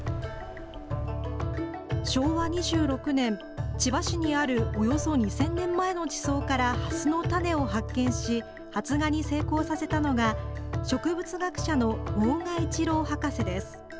昭和２６年、千葉市にあるおよそ２０００年前の地層からハスの種を発見し発芽に成功させたのが植物学者の大賀一郎博士です。